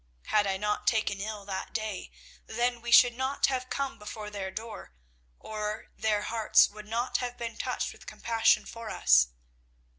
Had I not taken ill that day then we should not have come before their door, or their hearts would not have been touched with compassion for us.